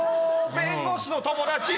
弁護士の友達！